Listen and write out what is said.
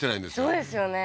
そうですよね